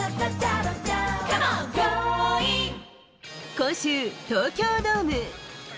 今週、東京ドーム。